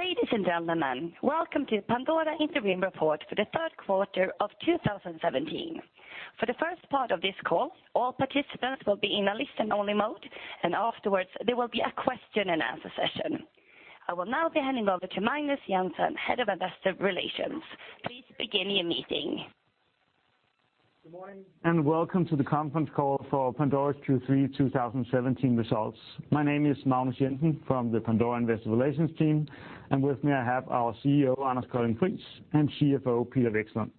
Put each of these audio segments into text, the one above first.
Ladies and gentlemen, welcome to Pandora Interim Report for the Q3 of 2017. For the first part of this call, all participants will be in a listen-only mode, and afterwards, there will be a question-and-answer session. I will now be handing over to Magnus Jensen, Head of Investor Relations. Please begin your meeting. Good morning, and welcome to the Conference Call for Pandora's Q3 2017 results. My name is Magnus Jensen from the Pandora Investor Relations team, and with me, I have our CEO, Anders Colding Friis, and CFO, Peter Vekslund.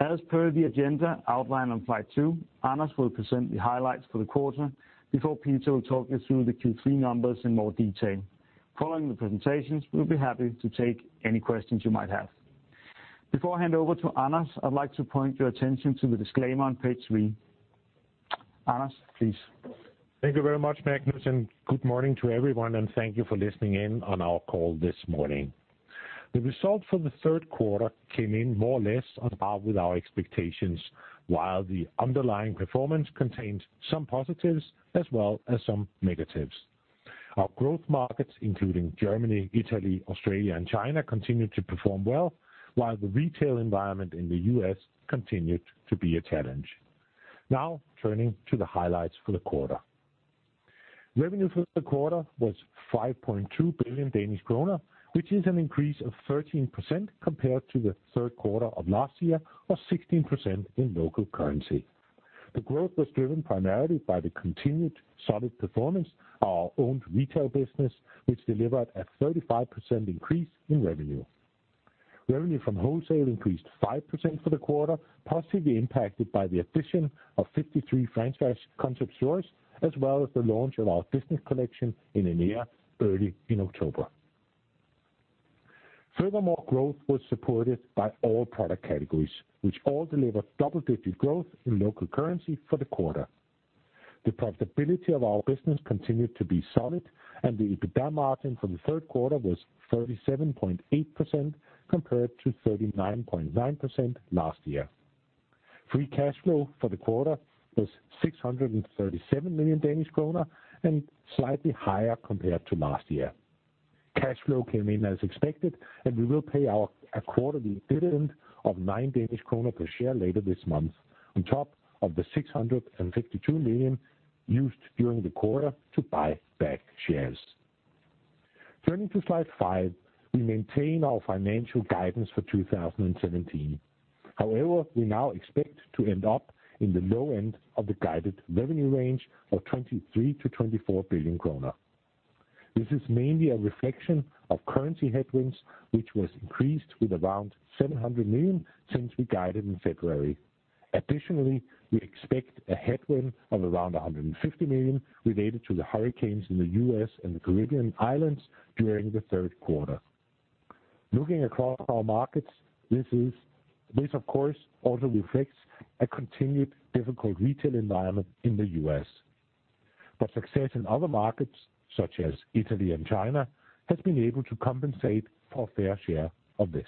As per the agenda outlined on slide 2, Anders will present the highlights for the quarter before Peter will talk you through the Q3 numbers in more detail. Following the presentations, we'll be happy to take any questions you might have. Before I hand over to Anders, I'd like to point your attention to the disclaimer on page 3. Anders, please. Thank you very much, Magnus, and good morning to everyone, and thank you for listening in on our call this morning. The result for the Q3 came in more or less on par with our expectations, while the underlying performance contained some positives as well as some negatives. Our growth markets, including Germany, Italy, Australia, and China, continued to perform well, while the retail environment in the US continued to be a challenge. Now, turning to the highlights for the quarter. Revenue for the quarter was 5.2 billion Danish kroner, which is an increase of 13% compared to the Q3 of last year, or 16% in local currency. The growth was driven primarily by the continued solid performance of our own retail business, which delivered a 35% increase in revenue. Revenue from wholesale increased 5% for the quarter, positively impacted by the addition of 53 franchise concept stores, as well as the launch of our business collection in India early in October. Furthermore, growth was supported by all product categories, which all delivered double-digit growth in local currency for the quarter. The profitability of our business continued to be solid, and the EBITDA margin for the Q3 was 37.8%, compared to 39.9% last year. Free cash flow for the quarter was 637 million Danish kroner, and slightly higher compared to last year. Cash flow came in as expected, and we will pay a quarterly dividend of 9 Danish kroner per share later this month, on top of the 652 million used during the quarter to buy back shares. Turning to slide 5, we maintain our financial guidance for 2017. However, we now expect to end up in the low end of the guided revenue range of 23 billion-24 billion kroner. This is mainly a reflection of currency headwinds, which was increased with around 700 million since we guided in February. Additionally, we expect a headwind of around 150 million related to the hurricanes in the U.S. and the Caribbean islands during the Q3. Looking across our markets, this is, of course, also reflects a continued difficult retail environment in the U.S. But success in other markets, such as Italy and China, has been able to compensate for a fair share of this.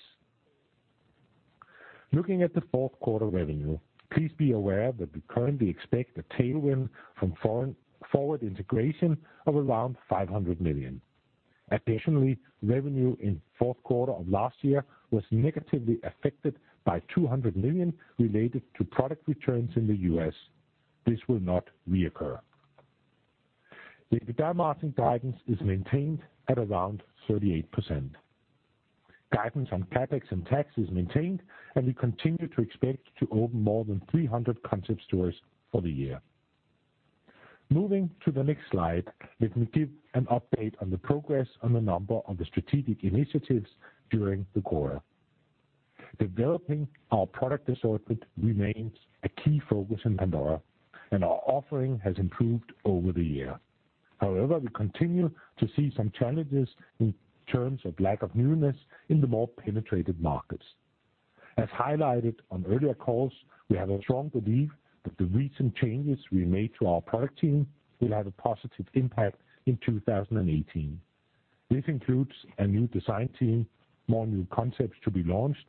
Looking at the Q4 revenue, please be aware that we currently expect a tailwind from forward integration of around 500 million. Additionally, revenue in Q4 of last year was negatively affected by 200 million related to product returns in the U.S. This will not reoccur. The EBITDA margin guidance is maintained at around 38%. Guidance on CapEx and tax is maintained, and we continue to expect to open more than 300 Concept Stores for the year. Moving to the next slide, let me give an update on the progress on a number of the strategic initiatives during the quarter. Developing our product assortment remains a key focus in Pandora, and our offering has improved over the year. However, we continue to see some challenges in terms of lack of newness in the more penetrated markets. As highlighted on earlier calls, we have a strong belief that the recent changes we made to our product team will have a positive impact in 2018. This includes a new design team, more new concepts to be launched,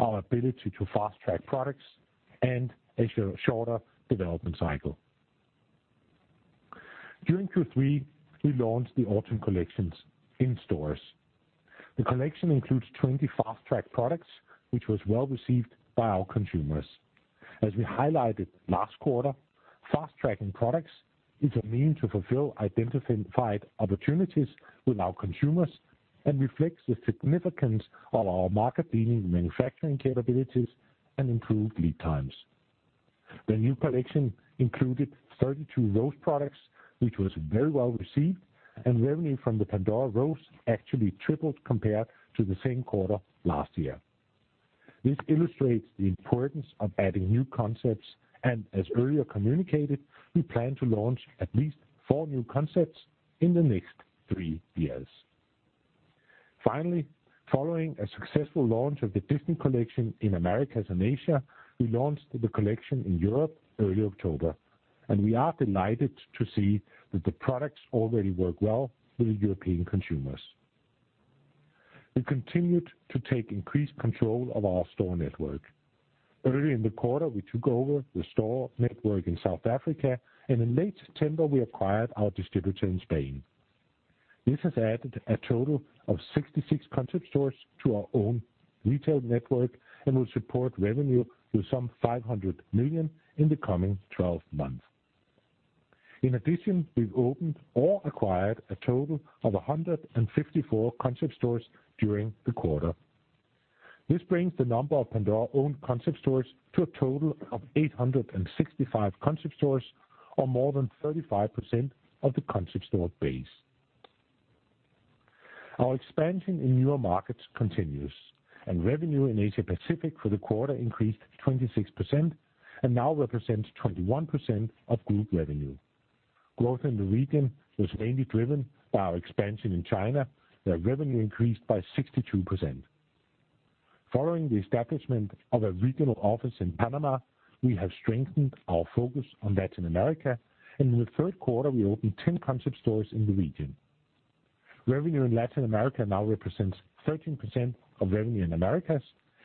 our ability to fast-track products, and a shorter development cycle. During Q3, we launched the autumn collections in stores. The collection includes 20 fast-track products, which was well received by our consumers. As we highlighted last quarter, fast-tracking products is a means to fulfill identified opportunities with our consumers and reflects the significance of our market-leading manufacturing capabilities and improved lead times. The new collection included 32 Rose products, which was very well received, and revenue from the Pandora Rose actually tripled compared to the same quarter last year. This illustrates the importance of adding new concepts, and as earlier communicated, we plan to launch at least 4 new concepts in the next 3 years. Finally, following a successful launch of the Disney collection in Americas and Asia, we launched the collection in Europe early October, and we are delighted to see that the products already work well with the European consumers. We continued to take increased control of our store network.... Earlier in the quarter, we took over the store network in South Africa, and in late September, we acquired our distributor in Spain. This has added a total of 66 concept stores to our own retail network and will support revenue to some 500 million in the coming twelve months. In addition, we've opened or acquired a total of 154 concept stores during the quarter. This brings the number of Pandora-owned concept stores to a total of 865 concept stores, or more than 35% of the concept store base. Our expansion in newer markets continues, and revenue in Asia Pacific for the quarter increased 26% and now represents 21% of group revenue. Growth in the region was mainly driven by our expansion in China, where revenue increased by 62%. Following the establishment of a regional office in Panama, we have strengthened our focus on Latin America, and in the Q3, we opened 10 Concept Stores in the region. Revenue in Latin America now represents 13% of revenue in Americas,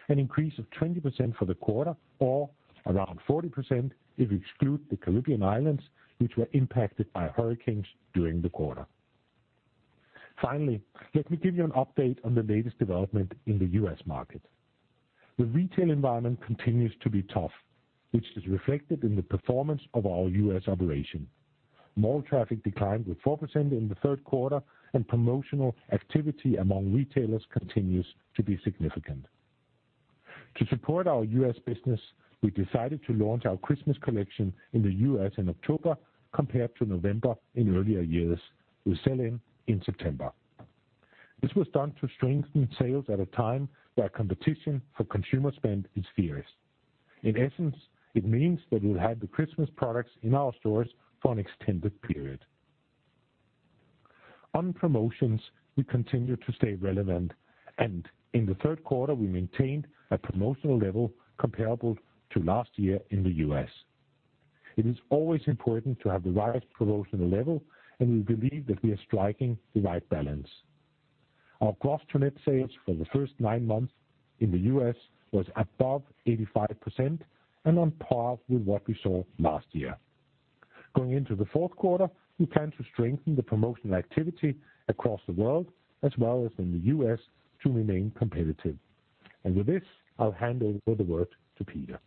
an increase of 20% for the quarter, or around 40% if you exclude the Caribbean islands, which were impacted by hurricanes during the quarter. Finally, let me give you an update on the latest development in the U.S. market. The retail environment continues to be tough, which is reflected in the performance of our U.S. operation. Mall traffic declined 4% in the Q3, and promotional activity among retailers continues to be significant. To support our U.S. business, we decided to launch our Christmas collection in the U.S. in October, compared to November in earlier years, we sell in September. This was done to strengthen sales at a time where competition for consumer spend is fierce. In essence, it means that we'll have the Christmas products in our stores for an extended period. On promotions, we continue to stay relevant, and in the Q3, we maintained a promotional level comparable to last year in the U.S. It is always important to have the right promotional level, and we believe that we are striking the right balance. Our gross to net sales for the first nine months in the U.S. was above 85% and on par with what we saw last year. Going into the Q4, we plan to strengthen the promotional activity across the world, as well as in the U.S., to remain competitive. With this, I'll hand over the word to Peter.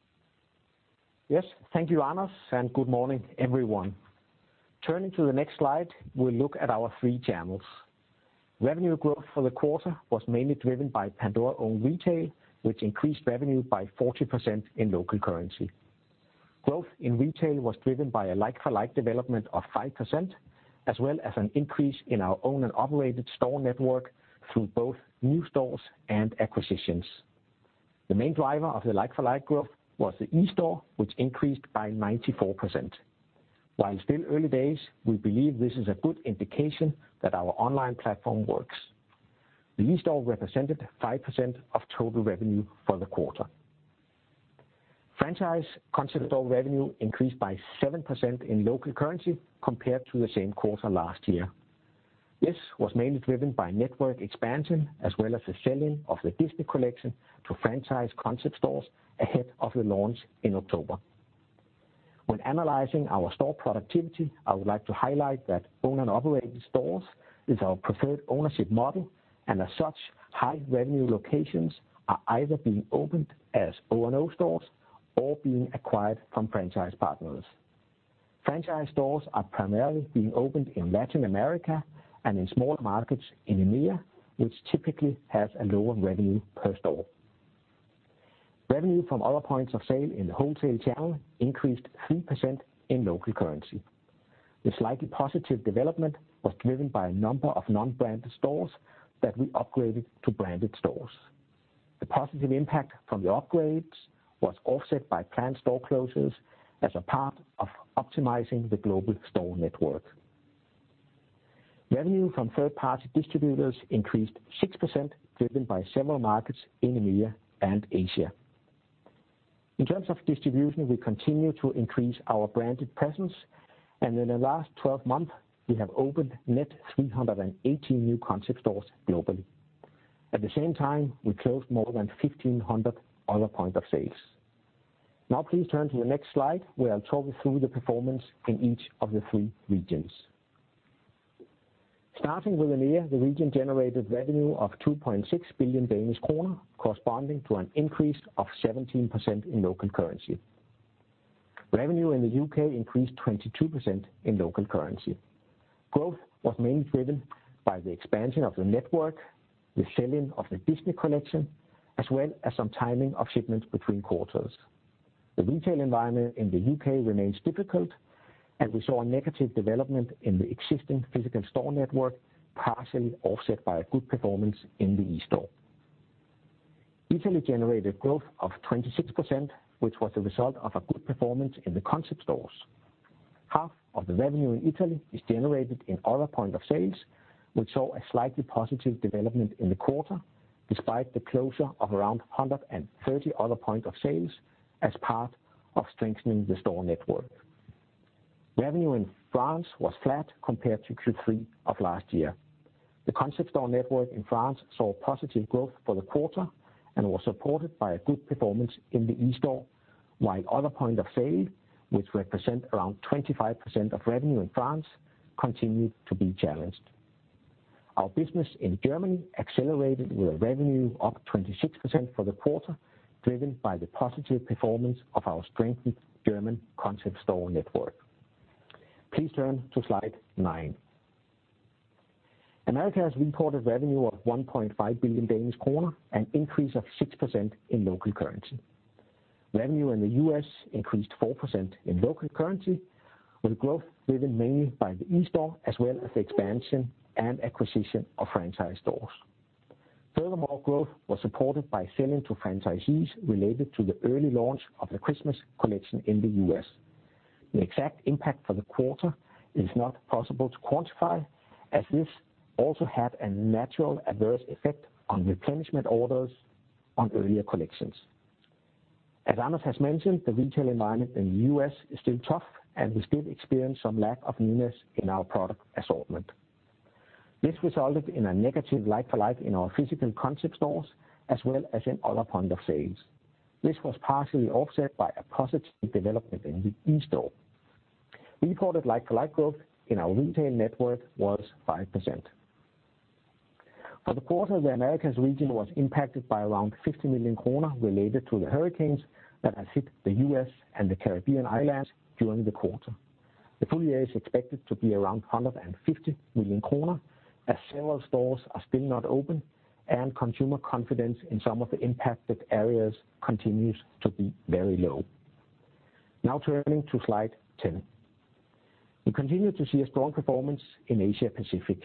Yes, thank you, Anders, and good morning, everyone. Turning to the next slide, we'll look at our three channels. Revenue growth for the quarter was mainly driven by Pandora-owned retail, which increased revenue by 40% in local currency. Growth in retail was driven by a like-for-like development of 5%, as well as an increase in our owned and operated store network through both new stores and acquisitions. The main driver of the like-for-like growth was the eStore, which increased by 94%. While it's still early days, we believe this is a good indication that our online platform works. The eStore represented 5% of total revenue for the quarter. Franchise concept store revenue increased by 7% in local currency compared to the same quarter last year. This was mainly driven by network expansion, as well as the selling of the Disney Collection to franchise Concept Stores ahead of the launch in October. When analyzing our store productivity, I would like to highlight that Owned and Operated stores is our preferred ownership model, and as such, high revenue locations are either being opened as O&O stores or being acquired from franchise partners. Franchise stores are primarily being opened in Latin America and in small markets in EMEA, which typically has a lower revenue per store. Revenue from Other Points of Sale in the wholesale channel increased 3% in local currency. The slightly positive development was driven by a number of non-branded stores that we upgraded to branded stores. The positive impact from the upgrades was offset by planned store closures as a part of optimizing the global store network. Revenue from third-party distributors increased 6%, driven by several markets in EMEA and Asia. In terms of distribution, we continue to increase our branded presence, and in the last 12 months, we have opened net 318 new Concept Stores globally. At the same time, we closed more than 1,500 other points of sale. Now, please turn to the next slide, where I'll talk you through the performance in each of the three regions. Starting with EMEA, the region generated revenue of 2.6 billion Danish kroner, corresponding to an increase of 17% in local currency. Revenue in the U.K. increased 22% in local currency. Growth was mainly driven by the expansion of the network, the selling of the Disney Collection, as well as some timing of shipments between quarters. The retail environment in the U.K. remains difficult, and we saw a negative development in the existing physical store network, partially offset by a good performance in the eStore. Italy generated growth of 26%, which was a result of a good performance in the concept stores. Half of the revenue in Italy is generated in other points of sale, which saw a slightly positive development in the quarter, despite the closure of around 130 other points of sale as part of strengthening the store network. Revenue in France was flat compared to Q3 of last year. The concept store network in France saw positive growth for the quarter and was supported by a good performance in the eStore, while other point of sale, which represent around 25% of revenue in France, continued to be challenged. Our business in Germany accelerated with a revenue up 26% for the quarter, driven by the positive performance of our strengthened German Concept Store network. Please turn to slide 9. Americas reported revenue of 1.5 billion Danish kroner, an increase of 6% in local currency. Revenue in the U.S. increased 4% in local currency, with growth driven mainly by the eSTORE, as well as the expansion and acquisition of franchise stores. Furthermore, growth was supported by selling to franchisees related to the early launch of the Christmas Collection in the U.S. The exact impact for the quarter is not possible to quantify, as this also had a natural adverse effect on replenishment orders on earlier collections. As Anders has mentioned, the retail environment in the U.S. is still tough, and we still experience some lack of newness in our product assortment. This resulted in a negative Like-for-like in our physical Concept Stores, as well as in Other Points of Sale. This was partially offset by a positive development in the eSTORE. Reported Like-for-like growth in our retail network was 5%. For the quarter, the Americas region was impacted by around 50 million kroner related to the hurricanes that had hit the US and the Caribbean islands during the quarter. The full year is expected to be around 150 million kroner, as several stores are still not open, and consumer confidence in some of the impacted areas continues to be very low. Now turning to slide 10. We continue to see a strong performance in Asia Pacific.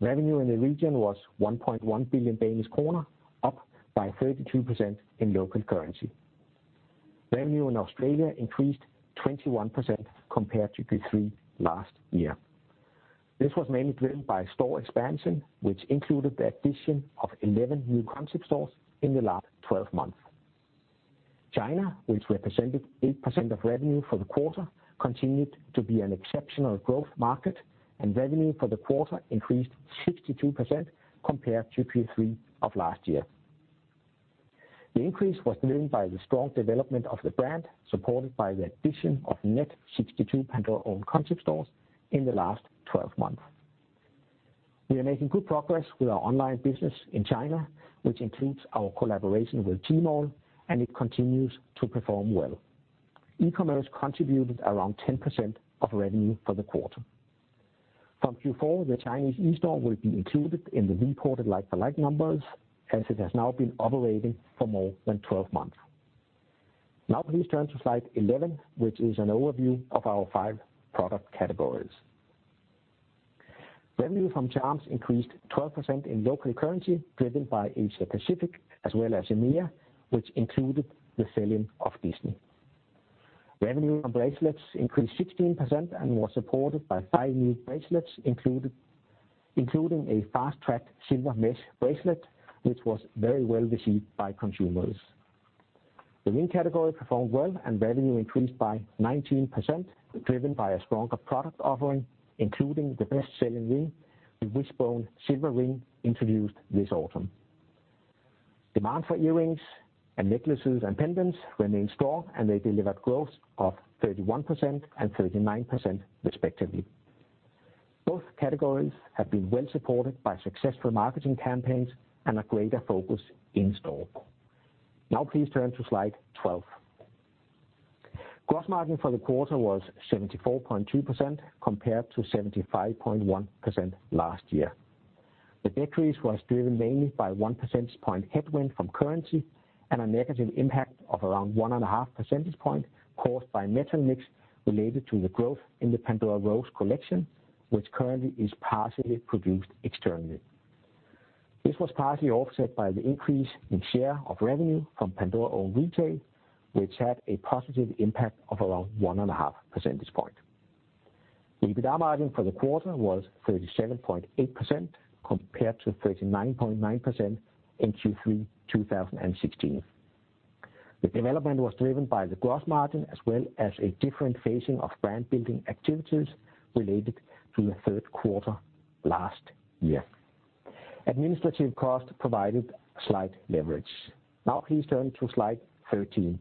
Revenue in the region was 1.1 billion Danish kroner, up by 32% in local currency. Revenue in Australia increased 21% compared to Q3 last year. This was mainly driven by store expansion, which included the addition of 11 new concept stores in the last 12 months. China, which represented 8% of revenue for the quarter, continued to be an exceptional growth market, and revenue for the quarter increased 62% compared to Q3 of last year. The increase was driven by the strong development of the brand, supported by the addition of net 62 Pandora-owned concept stores in the last 12 months. We are making good progress with our online business in China, which includes our collaboration with Tmall, and it continues to perform well. E-commerce contributed around 10% of revenue for the quarter. From Q4, the Chinese eStore will be included in the reported like-for-like numbers, as it has now been operating for more than 12 months. Now please turn to slide 11, which is an overview of our five product categories. Revenue from charms increased 12% in local currency, driven by Asia Pacific as well as EMEA, which included the selling of Disney. Revenue on bracelets increased 16% and was supported by 5 new bracelets included, including a fast-track silver mesh bracelet, which was very well received by consumers. The ring category performed well, and revenue increased by 19%, driven by a stronger product offering, including the best-selling ring, the Wishbone silver ring, introduced this autumn. Demand for earrings and necklaces and pendants remained strong, and they delivered growth of 31% and 39% respectively. Both categories have been well supported by successful marketing campaigns and a greater focus in store. Now please turn to slide 12. Gross margin for the quarter was 74.2%, compared to 75.1% last year. The decrease was driven mainly by 1 percentage point headwind from currency and a negative impact of around 1.5 percentage point caused by metal mix related to the growth in the Pandora Rose collection, which currently is partially produced externally. This was partly offset by the increase in share of revenue from Pandora-owned retail, which had a positive impact of around 1.5 percentage point. EBITDA margin for the quarter was 37.8%, compared to 39.9% in Q3 2016. The development was driven by the gross margin, as well as a different phasing of brand-building activities related to the Q3 last year. Administrative costs provided slight leverage. Now please turn to slide 13.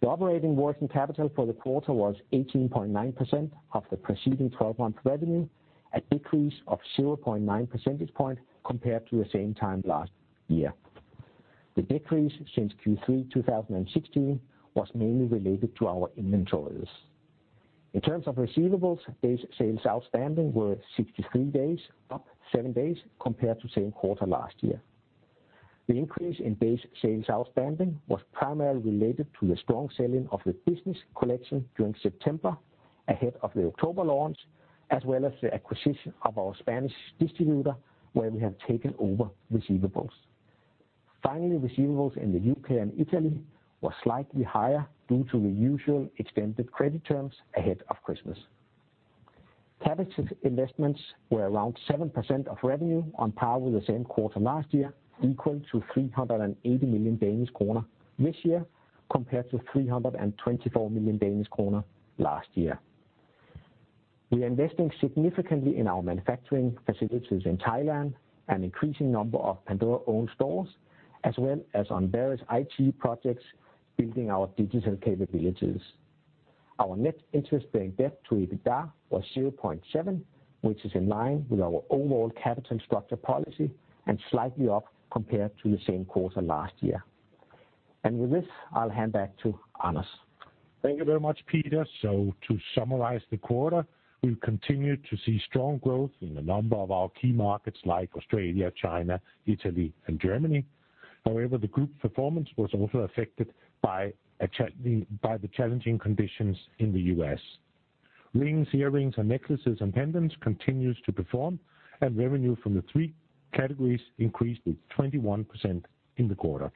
The operating working capital for the quarter was 18.9% of the preceding 12-month revenue, a decrease of 0.9 percentage point compared to the same time last year. The decrease since Q3 2016 was mainly related to our inventories. In terms of receivables, days sales outstanding were 63 days, up 7 days compared to same quarter last year. The increase in days sales outstanding was primarily related to the strong selling of the business collection during September, ahead of the October launch, as well as the acquisition of our Spanish distributor, where we have taken over receivables. Finally, receivables in the U.K. and Italy were slightly higher due to the usual extended credit terms ahead of Christmas. Capital investments were around 7% of revenue on par with the same quarter last year, equal to 380 million Danish kroner this year, compared to 324 million Danish kroner last year. We are investing significantly in our manufacturing facilities in Thailand, an increasing number of Pandora-owned stores, as well as on various IT projects, building our digital capabilities. Our net interest-bearing debt to EBITDA was 0.7, which is in line with our overall capital structure policy, and slightly up compared to the same quarter last year. With this, I'll hand back to Anders. Thank you very much, Peter. So to summarize the quarter, we continued to see strong growth in a number of our key markets like Australia, China, Italy, and Germany. However, the group performance was also affected by the challenging conditions in the U.S. Rings, earrings, and necklaces and pendants continues to perform, and revenue from the three categories increased with 21% in the quarter.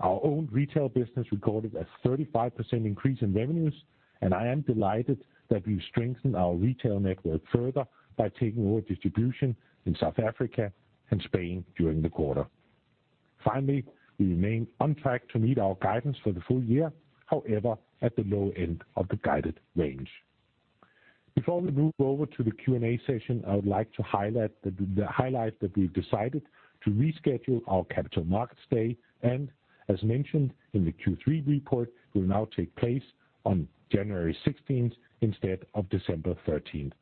Our own retail business recorded a 35% increase in revenues, and I am delighted that we've strengthened our retail network further by taking over distribution in South Africa and Spain during the quarter. Finally, we remain on track to meet our guidance for the full year, however, at the low end of the guided range. Before we move over to the Q&A session, I would like to highlight that we've decided to reschedule our Capital Markets Day, and as mentioned in the Q3 report, will now take place on January 16th, instead of December 13th.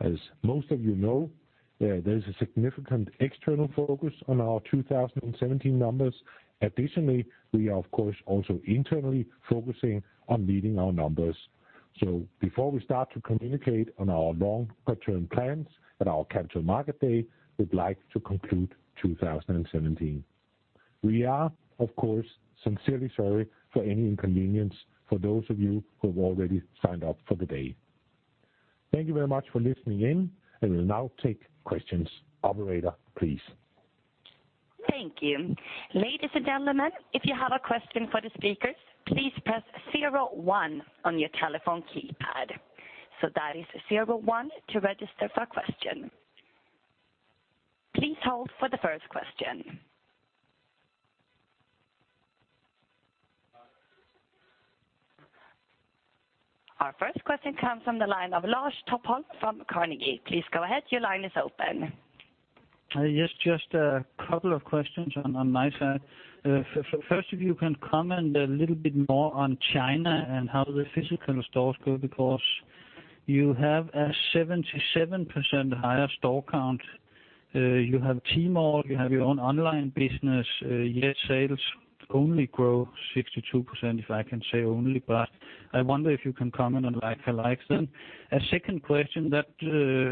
As most of you know, there's a significant external focus on our 2017 numbers. Additionally, we are, of course, also internally focusing on meeting our numbers. So before we start to communicate on our long-term plans at our Capital Market Day, we'd like to conclude 2017. We are, of course, sincerely sorry for any inconvenience for those of you who have already signed up for the day. Thank you very much for listening in, and we'll now take questions. Operator, please. Thank you. Ladies and gentlemen, if you have a question for the speakers, please press zero one on your telephone keypad. So that is zero one to register for a question. Please hold for the first question. Our first question comes from the line of Lars Topholm from Carnegie. Please go ahead, your line is open. Yes, just a couple of questions on my side. So first, if you can comment a little bit more on China and how the physical stores go, because you have a 77% higher store count. You have Tmall, you have your own online business, yet sales only grow 62%, if I can say only, but I wonder if you can comment on like-for-likes then? A second question that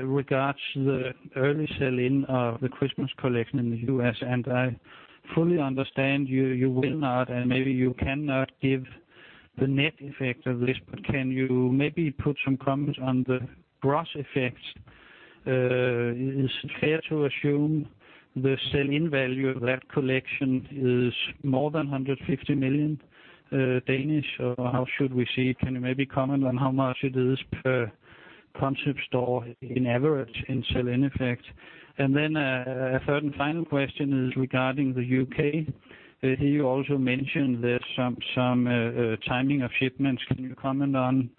regards the early sell-in of the Christmas Collection in the U.S., and I fully understand you will not, and maybe you cannot give the net effect of this, but can you maybe put some comments on the gross effects? Is it fair to assume the sell-in value of that collection is more than 150 million, or how should we see it? Can you maybe comment on how much it is per concept store in average in sell-in effect? And then, a third and final question is regarding the UK. Here, you also mentioned that some timing of shipments. Can you comment on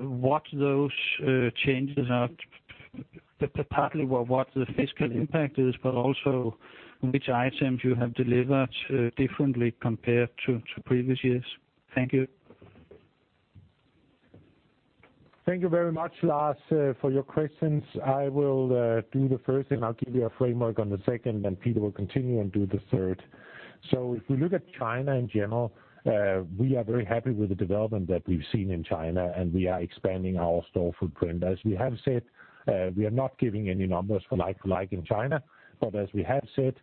what those changes are? Partly what the fiscal impact is, but also which items you have delivered differently compared to previous years? Thank you. Thank you very much, Lars, for your questions. I will do the first, and I'll give you a framework on the second, then Peter will continue and do the third. So if we look at China in general, we are very happy with the development that we've seen in China, and we are expanding our store footprint. As we have said, we are not giving any numbers for like for like in China, but as we have said,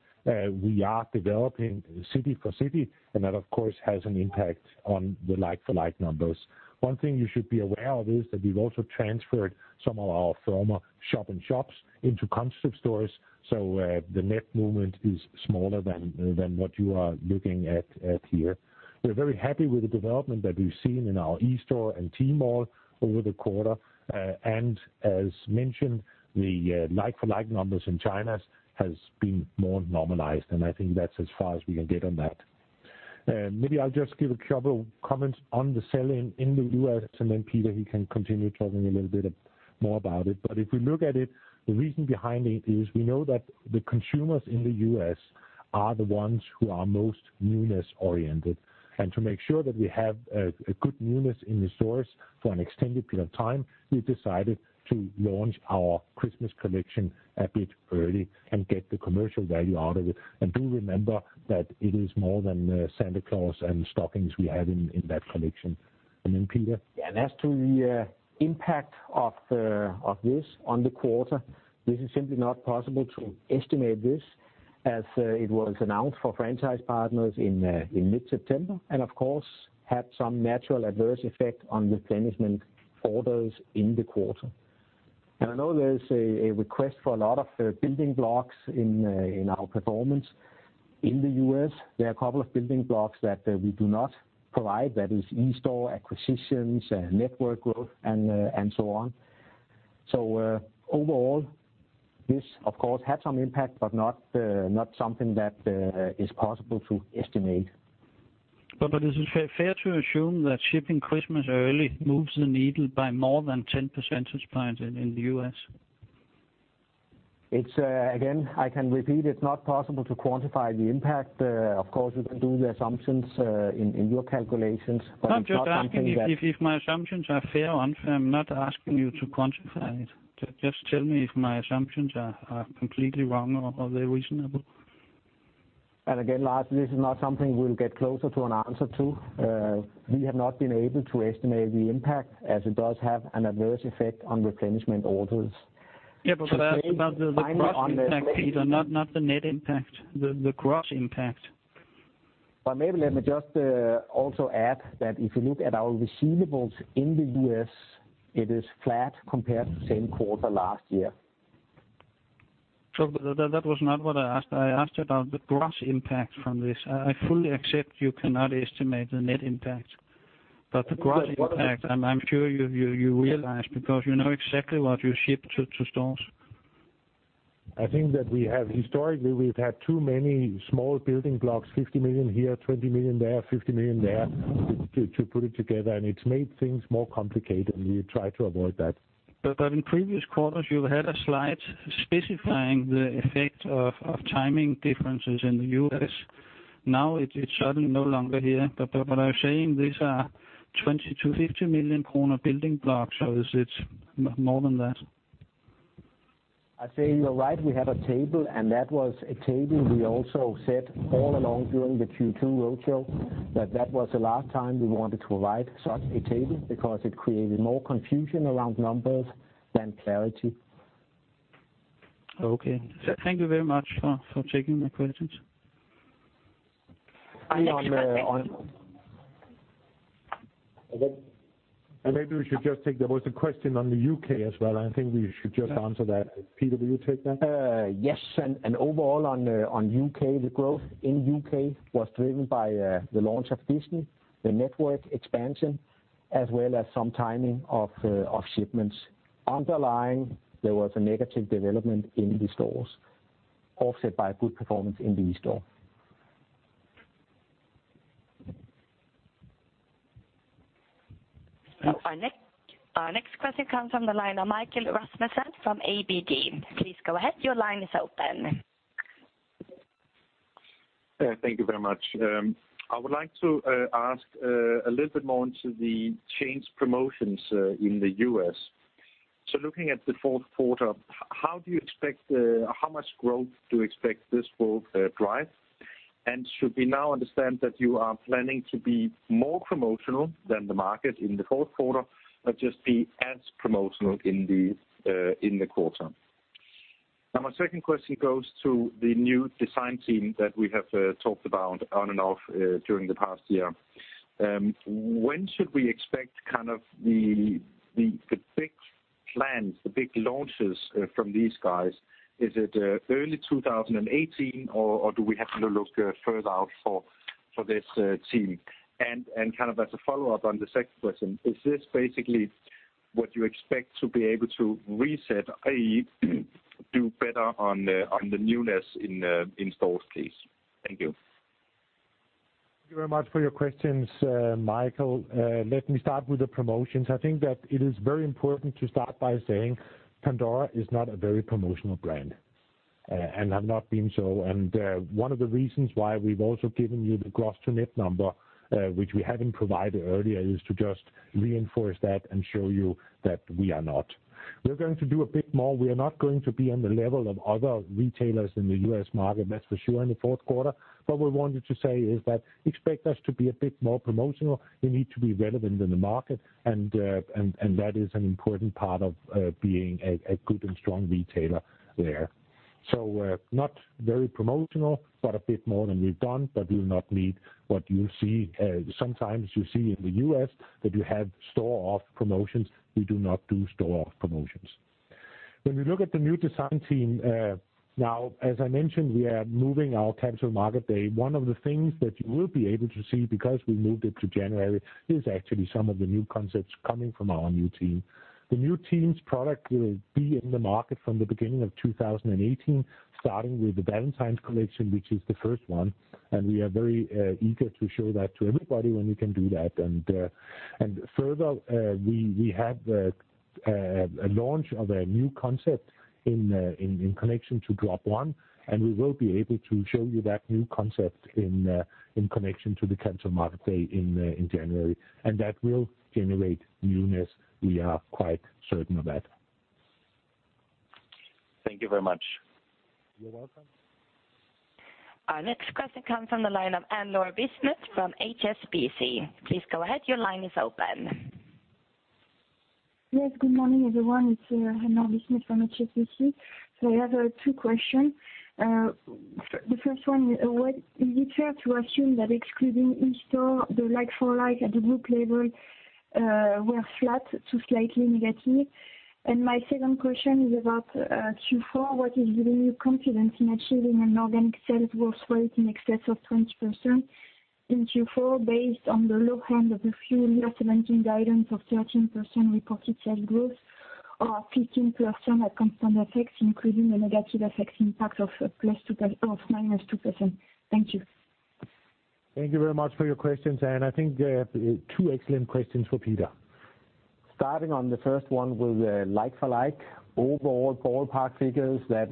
we are developing city for city, and that, of course, has an impact on the like for like numbers. One thing you should be aware of is that we've also transferred some of our former shop-in-shops into Concept Stores, so the net movement is smaller than what you are looking at here. We're very happy with the development that we've seen in our eStore and Tmall over the quarter. And as mentioned, the like-for-like numbers in China has been more normalized, and I think that's as far as we can get on that. Maybe I'll just give a couple comments on the sell-in in the U.S., and then Peter, he can continue talking a little bit more about it. But if we look at it, the reason behind it is we know that the consumers in the U.S. are the ones who are most newness-oriented. And to make sure that we have a good newness in the stores for an extended period of time, we decided to launch our Christmas Collection a bit early and get the commercial value out of it. And do remember that it is more than Santa Claus and stockings we have in that collection. And then, Peter? Yeah, and as to the impact of this on the quarter, this is simply not possible to estimate this, as it was announced for franchise partners in mid-September, and of course, had some natural adverse effect on replenishment orders in the quarter. I know there is a request for a lot of building blocks in our performance in the U.S. There are a couple of building blocks that we do not provide, that is e-store acquisitions and network growth and so on. So, overall, this of course, had some impact, but not something that is possible to estimate. Is it fair to assume that shipping Christmas early moves the needle by more than 10 percentage points in the U.S.? It's again, I can repeat, it's not possible to quantify the impact. Of course, you can do the assumptions in your calculations, but it's not something that- I'm just asking if my assumptions are fair or unfair. I'm not asking you to quantify it. Just tell me if my assumptions are completely wrong or they're reasonable. And again, Lars, this is not something we'll get closer to an answer to. We have not been able to estimate the impact, as it does have an adverse effect on replenishment orders. Yeah, but I asked about the gross impact, Peter, not the net impact, the gross impact. But maybe let me just also add that if you look at our receivables in the U.S., it is flat compared to the same quarter last year. So but that was not what I asked. I asked about the gross impact from this. I fully accept you cannot estimate the net impact, but the gross impact, and I'm sure you realize, because you know exactly what you ship to stores. I think that we have historically, we've had too many small building blocks, 50 million here, 20 million there, 50 million there, to put it together, and it's made things more complicated, and we try to avoid that. But in previous quarters, you've had a slide specifying the effect of timing differences in the U.S. Now, it's suddenly no longer here. But I'm saying these are 20 million-50 million kroner building blocks, so is it more than that? I say you're right, we had a table, and that was a table we also said all along during the Q2 roadshow, that that was the last time we wanted to provide such a table, because it created more confusion around numbers than clarity. Okay. Thank you very much for, for taking my questions. And on, Maybe we should just take. There was a question on the U.K. as well, and I think we should just answer that. Peter, will you take that? Yes, and overall on U.K., the growth in U.K. was driven by the launch of Disney, the network expansion, as well as some timing of shipments. Underlying, there was a negative development in the stores, offset by a good performance in the eSTORE. Our next question comes from the line of Michael Rasmussen from ABG Sundal Collier. Please go ahead, your line is open. Thank you very much. I would like to ask a little bit more into the changed promotions in the US. So looking at the Q4, how do you expect how much growth do you expect this will drive? And should we now understand that you are planning to be more promotional than the market in the Q4, or just be as promotional in the quarter? Now, my second question goes to the new design team that we have talked about on and off during the past year. When should we expect kind of the big plans, the big launches from these guys? Is it early 2018, or do we have to look further out for this team? Kind of as a follow-up on the second question, is this basically what you expect to be able to reset, i.e., do better on the, on the newness in, in stores case? Thank you. Thank you very much for your questions, Michael. Let me start with the promotions. I think that it is very important to start by saying Pandora is not a very promotional brand, and have not been so. One of the reasons why we've also given you the gross to net number, which we haven't provided earlier, is to just reinforce that and show you that we are not. We're going to do a bit more. We are not going to be on the level of other retailers in the U.S. market, that's for sure, in the Q4. What we wanted to say is that expect us to be a bit more promotional. We need to be relevant in the market, and that is an important part of being a good and strong retailer there. So, not very promotional, but a bit more than we've done, but will not need what you see, sometimes you see in the US, that you have storewide promotions. We do not do storewide promotions. When we look at the new design team, now, as I mentioned, we are moving our Capital Markets Day. One of the things that you will be able to see, because we moved it to January, is actually some of the new concepts coming from our new team. The new team's product will be in the market from the beginning of 2018, starting with the Valentine's collection, which is the first one, and we are very, eager to show that to everybody when we can do that. Further, we have a launch of a new concept in connection to drop one, and we will be able to show you that new concept in connection to the Capital Markets Day in January. That will generate newness. We are quite certain of that. Thank you very much. You're welcome. Our next question comes from the line of Anne-Laure Bismuth from HSBC. Please go ahead, your line is open. Yes, good morning, everyone. It's Anne-Laure Bismuth from HSBC. So I have two questions. The first one, is it fair to assume that excluding Concept Stores, the like-for-like at the group level were flat to slightly negative? And my second question is about Q4. What is giving you confidence in achieving an organic sales growth rate in excess of 20% in Q4, based on the low end of the full year 2017 guidance of 13% reported sales growth, or 15% at constant effects, including the negative effects impact of minus 2%? Thank you. Thank you very much for your questions, and I think, two excellent questions for Peter. Starting on the first one with like-for-like, overall ballpark figures, that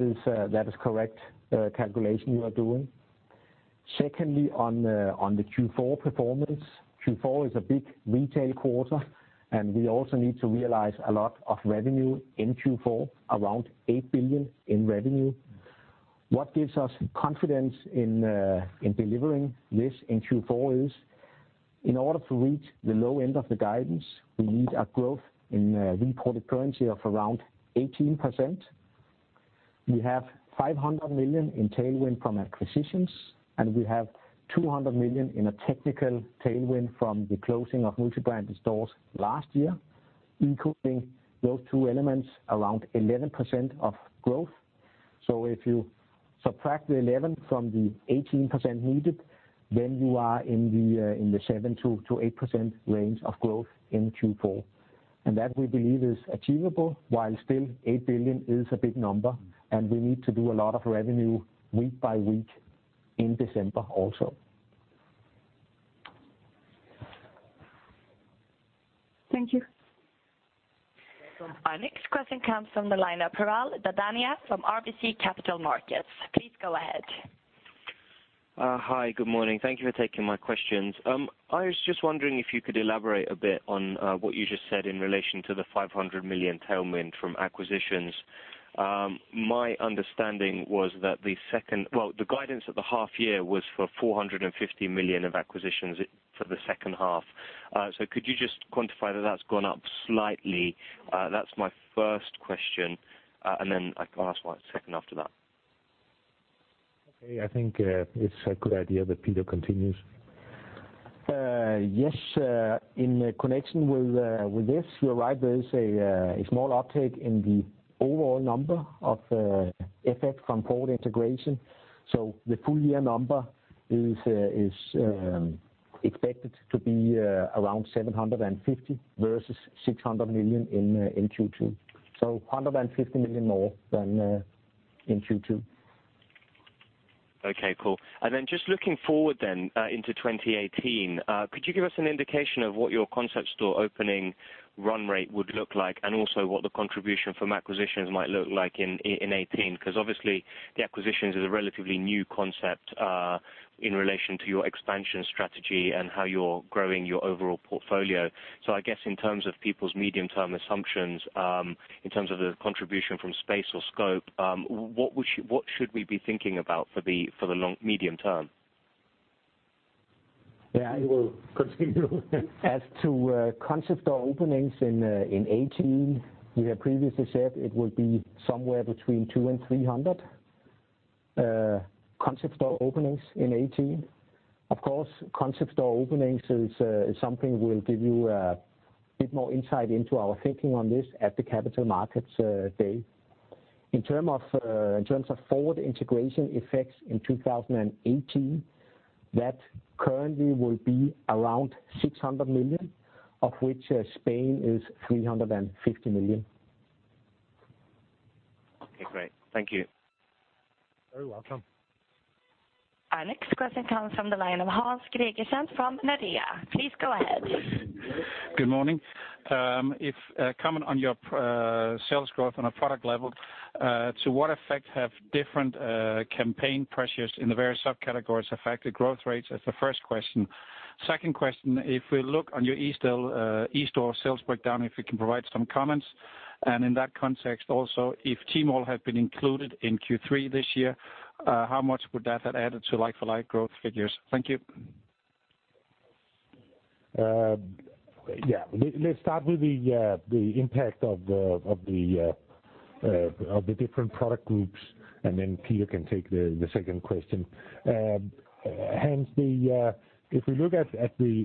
is correct calculation you are doing. Secondly, on the Q4 performance, Q4 is a big retail quarter, and we also need to realize a lot of revenue in Q4, around 8 billion in revenue. What gives us confidence in delivering this in Q4 is, in order to reach the low end of the guidance, we need a growth in reported currency of around 18%. We have 500 million in tailwind from acquisitions, and we have 200 million in a technical tailwind from the closing of multi-brand stores last year, including those two elements, around 11% of growth. So if you subtract the 11 from the 18% needed, then you are in the 7%-8% range of growth in Q4, and that we believe is achievable, while still 8 billion is a big number, and we need to do a lot of revenue week by week in December also. Thank you. Our next question comes from the line of Piral Dadhania from RBC Capital Markets. Please go ahead. Hi, good morning. Thank you for taking my questions. I was just wondering if you could elaborate a bit on what you just said in relation to the 500 million tailwind from acquisitions. My understanding was that the guidance at the half year was for 450 million of acquisitions it, for the second half. So could you just quantify that that's gone up slightly? That's my first question, and then I can ask my second after that. Okay, I think it's a good idea that Peter continues. Yes, in connection with this, you're right, there is a small uptick in the overall number of effect from Forward Integration. So the full year number is expected to be around 750 million versus 600 million in Q2, so 150 million more than in Q2. Okay, cool. And then just looking forward then, into 2018, could you give us an indication of what your concept store opening run rate would look like, and also what the contribution from acquisitions might look like in 2018? 'Cause obviously, the acquisitions is a relatively new concept, in relation to your expansion strategy and how you're growing your overall portfolio. So I guess in terms of people's medium-term assumptions, in terms of the contribution from space or scope, what would you- what should we be thinking about for the, for the long, medium term? Yeah, I will continue. As to concept store openings in 2018, we have previously said it will be somewhere between 200 and 300 concept store openings in 2018. Of course, concept store openings is something we'll give you a bit more insight into our thinking on this at the Capital Markets Day. In terms of forward integration effects in 2018, that currently will be around 600 million, of which Spain is 350 million. Okay, great. Thank you. Very welcome. Our next question comes from the line of Hans Gregersen from Nordea. Please go ahead. Good morning. Comment on your sales growth on a product level, to what effect have different campaign pressures in the various subcategories affected growth rates? That's the first question. Second question, if we look on your eSTORE, eSTORE sales breakdown, if you can provide some comments, and in that context also, if Tmall have been included in Q3 this year, how much would that have added to like-for-like growth figures? Thank you. Yeah. Let's start with the impact of the different product groups, and then Peter can take the second question. Hence, if we look at the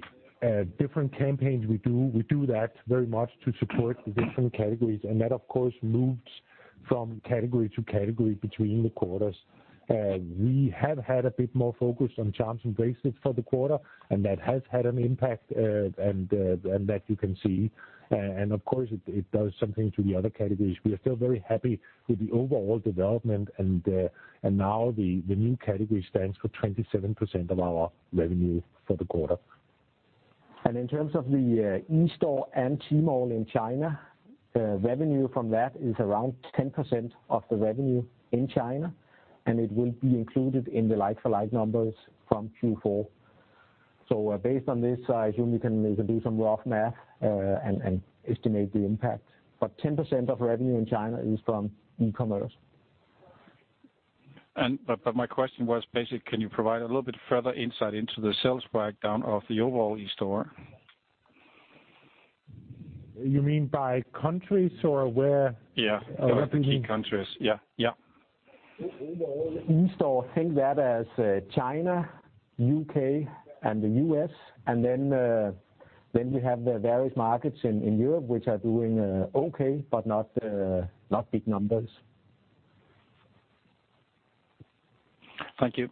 different campaigns we do, we do that very much to support the different categories, and that, of course, moves from category to category between the quarters. We have had a bit more focus on charms and bracelets for the quarter, and that has had an impact, and that you can see, and of course, it does something to the other categories. We are still very happy with the overall development, and now the new category stands for 27% of our revenue for the quarter. In terms of the eStore and Tmall in China, revenue from that is around 10% of the revenue in China, and it will be included in the like-for-like numbers from Q4. So, based on this, I assume you can do some rough math and estimate the impact, but 10% of revenue in China is from e-commerce. My question was basically, can you provide a little bit further insight into the sales breakdown of the overall eStore?... You mean by countries or where? Yeah, what are the key countries? Yeah, yeah. Overall, eSTORE, think that as China, U.K., and the U.S., and then we have the various markets in Europe, which are doing okay, but not big numbers. Thank you.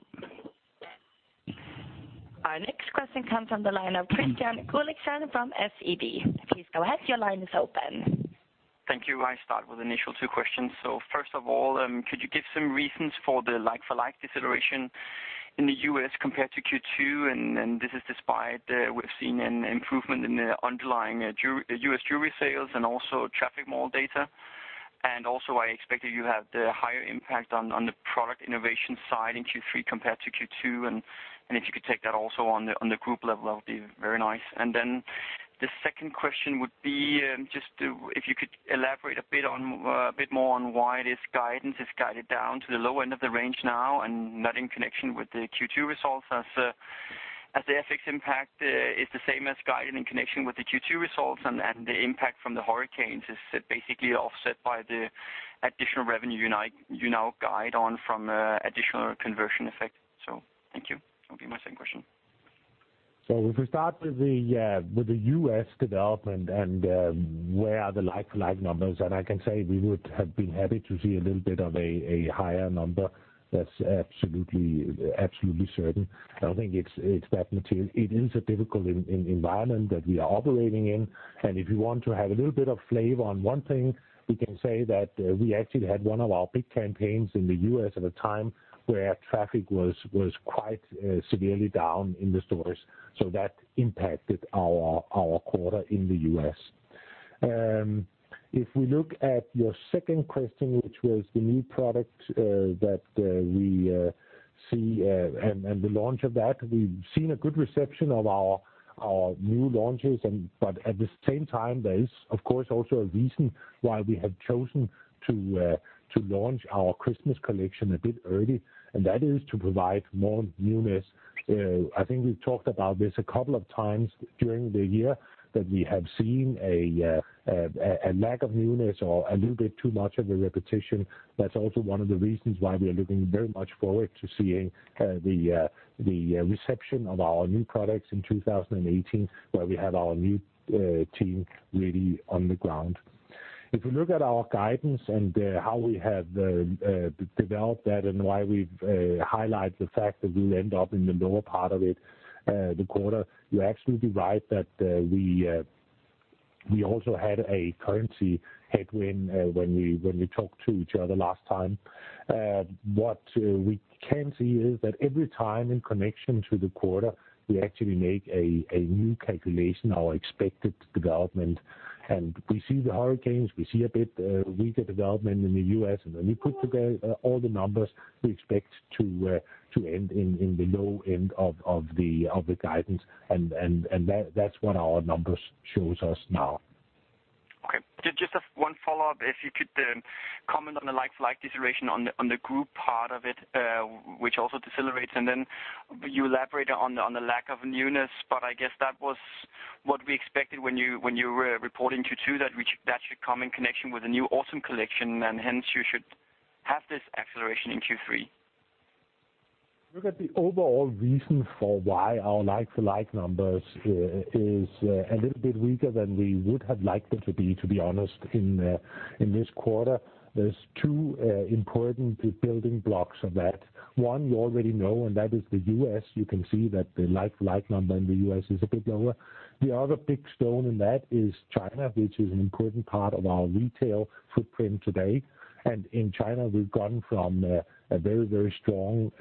Our next question comes from the line of Kristian Godiksen from SEB. Please go ahead. Your line is open. Thank you. I start with initial two questions. So first of all, could you give some reasons for the like-for-like deceleration in the U.S. compared to Q2? And this is despite we've seen an improvement in the underlying U.S. jewelry sales and also traffic mall data. And also, I expected you have the higher impact on the product innovation side in Q3 compared to Q2, and if you could take that also on the group level, that would be very nice. And then the second question would be, just if you could elaborate a bit on a bit more on why this guidance is guided down to the low end of the range now, and not in connection with the Q2 results, as the FX impact is the same as guided in connection with the Q2 results. And the impact from the hurricanes is basically offset by the additional revenue you now guide on from additional conversion effect. So thank you. That'll be my second question. So if we start with the US development and where are the like-for-like numbers, and I can say we would have been happy to see a little bit of a higher number. That's absolutely certain. I don't think it's that material. It is a difficult environment that we are operating in, and if you want to have a little bit of flavor on one thing, we can say that we actually had one of our big campaigns in the US at a time where traffic was quite severely down in the stores, so that impacted our quarter in the US. If we look at your second question, which was the new product that we see and the launch of that, we've seen a good reception of our new launches and... But at the same time, there is, of course, also a reason why we have chosen to launch our Christmas Collection a bit early, and that is to provide more newness. I think we've talked about this a couple of times during the year, that we have seen a lack of newness or a little bit too much of a repetition. That's also one of the reasons why we are looking very much forward to seeing the reception of our new products in 2018, where we have our new team really on the ground. If we look at our guidance and how we have developed that and why we've highlighted the fact that we end up in the lower part of it, the quarter, you're absolutely right that we also had a currency headwind when we talked to each other last time. What we can see is that every time in connection to the quarter, we actually make a new calculation, our expected development, and we see the hurricanes, we see a bit weaker development in the U.S. And when we put together all the numbers, we expect to end in the low end of the guidance, and that that's what our numbers shows us now. Okay. Just, just, one follow-up. If you could, comment on the like-for-like deceleration on the, on the group part of it, which also decelerates, and then you elaborated on the, on the lack of newness. But I guess that was what we expected when you, when you were reporting Q2, that that should come in connection with the new autumn collection, and hence you should have this acceleration in Q3. Look at the overall reason for why our like-for-like numbers is a little bit weaker than we would have liked them to be, to be honest, in this quarter. There's two important building blocks of that. One you already know, and that is the U.S. You can see that the like-for-like number in the U.S. is a bit lower. The other big stone in that is China, which is an important part of our retail footprint today. In China, we've gone from a very, very strong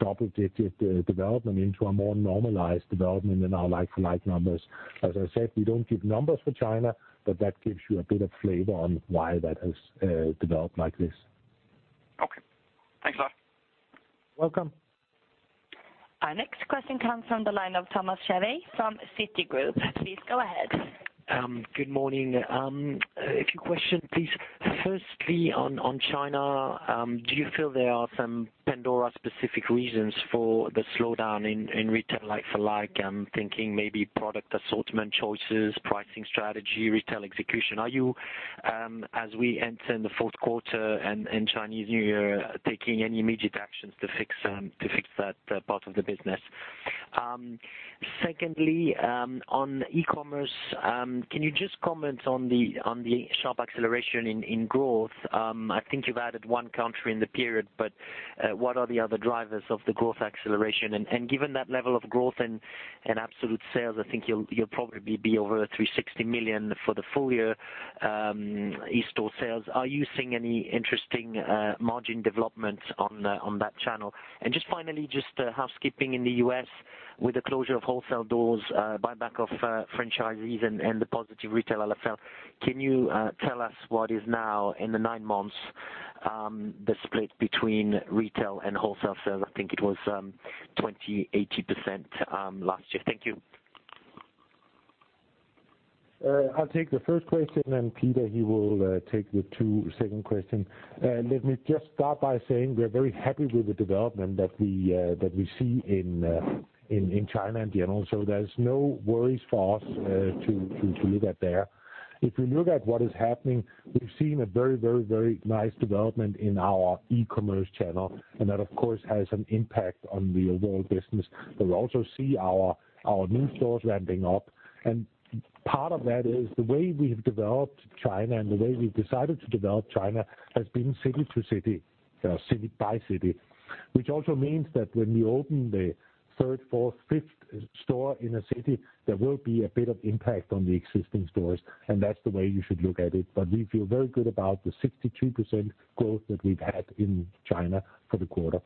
double-digit development into a more normalized development in our like-for-like numbers. As I said, we don't give numbers for China, but that gives you a bit of flavor on why that has developed like this. Okay. Thanks a lot. Welcome. Our next question comes from the line of Thomas Chauvet from Citigroup. Please go ahead. Good morning. A few questions, please. Firstly, on China, do you feel there are some Pandora-specific reasons for the slowdown in retail like-for-like? I'm thinking maybe product assortment choices, pricing strategy, retail execution. Are you, as we enter the Q4 and Chinese New Year, taking any immediate actions to fix that part of the business? Secondly, on e-commerce, can you just comment on the sharp acceleration in growth? I think you've added one country in the period, but what are the other drivers of the growth acceleration? And given that level of growth and absolute sales, I think you'll probably be over 360 million for the full year, eStore sales. Are you seeing any interesting margin developments on that channel? And just finally, just housekeeping in the U.S., with the closure of wholesale doors, buyback of franchises and the positive retail LFL, can you tell us what is now, in the nine months, the split between retail and wholesale sales? I think it was 20, 80% last year. Thank you. ...I'll take the first question, and then Peter, he will take the two second questions. Let me just start by saying we are very happy with the development that we see in China in general, so there's no worries for us to look at there. If we look at what is happening, we've seen a very, very, very nice development in our e-commerce channel, and that, of course, has an impact on the overall business. But we also see our, our new stores ramping up, and part of that is the way we've developed China and the way we've decided to develop China has been city to city, city by city, which also means that when we open the third, fourth, fifth store in a city, there will be a bit of impact on the existing stores, and that's the way you should look at it. But we feel very good about the 62% growth that we've had in China for the quarter.